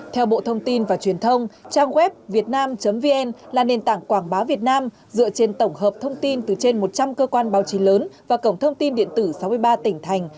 theo bộ thông tin và truyền thông trang web việt nam vn là nền tảng quảng bá việt nam dựa trên tổng hợp thông tin từ trên một trăm linh cơ quan báo chí lớn và cổng thông tin điện tử sáu mươi ba tỉnh thành